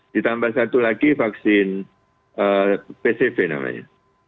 ditambah satu lagi vaksin pcv namanya